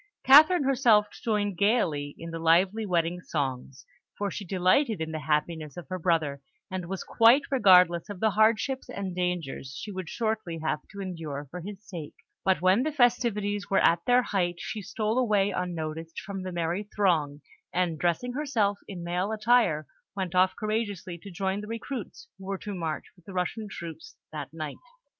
Catherine herself joined gaily in the lively wedding songs, for she delighted in the happiness of her brother, and was quite regardless of the hardships and dangers she would shortly have to endure for his sake; but when the festivities were at their height she stole away unnoticed from the merry throng, and, dressing herself in male attire, went off courageously to join the recruits who were to march with the Russian troops that night.